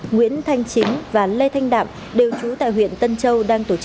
nguyễn thanh chính và lê thanh đạm đều trú tại huyện tân châu